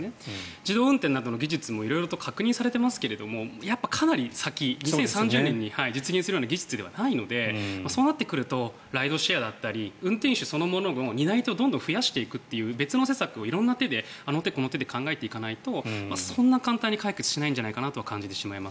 自動運転などの技術も色々と確認されていますがかなり先２０３０年に実現するような技術ではないのでそうなってくるとライドシェアだったり運転手そのものの担い手をどんどん増やしていくという別の施策をあの手この手で考えていかないとそう簡単には解決しないんじゃないかなと。